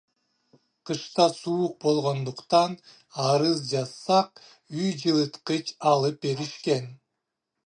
Кышта суук болгондуктан, арыз жазсак, үй жылыткыч алып беришкен.